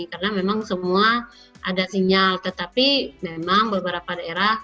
karena memang semua ada sinyal tetapi memang beberapa daerah